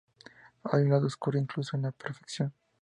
Hay un lado oscuro incluso en la perfección.